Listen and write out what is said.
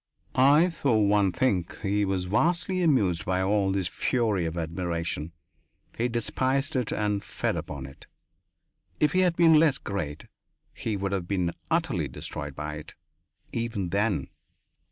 I, for one, think he was vastly amused by all this fury of admiration; he despised it and fed upon it. If he had been less great, he would have been utterly destroyed by it, even then.